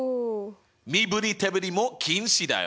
身振り手振りも禁止だよ！